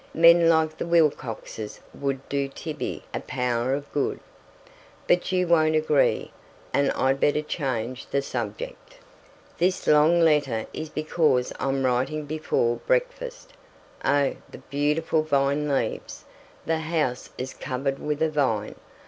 Men like the Wilcoxes would do Tibby a power of good. But you won't agree, and I'd better change the subject. This long letter is because I'm writing before breakfast. Oh, the beautiful vine leaves! The house is covered with a vine.